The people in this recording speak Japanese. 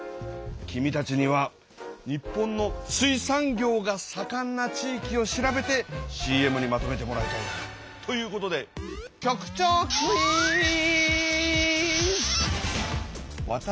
君たちには日本の「水産業がさかんな地域」を調べてＣＭにまとめてもらいたい。ということで局長クイズ！